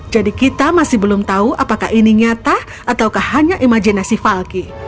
jadi kita masih belum tahu apakah ini nyata ataukah hanya imajinasi falky